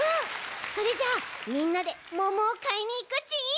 それじゃあみんなでももをかいにいくち！